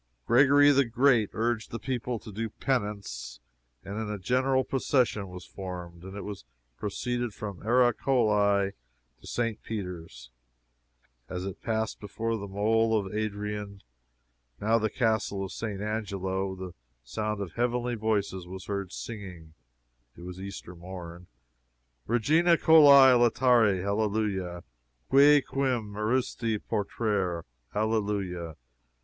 Gregory the Great urged the people to do penance, and a general procession was formed. It was to proceed from Ara Coeli to St. Peter's. As it passed before the mole of Adrian, now the Castle of St. Angelo, the sound of heavenly voices was heard singing (it was Easter morn,) 'Regina Coeli, laetare! alleluia! quia quem meruisti portare, alleluia!